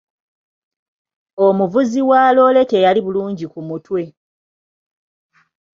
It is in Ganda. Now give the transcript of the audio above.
Omuvuzi wa loore teyali bulungi ku mutwe.